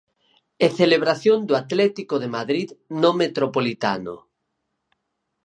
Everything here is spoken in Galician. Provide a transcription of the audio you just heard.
E celebración do Atlético de Madrid no Metropolitano.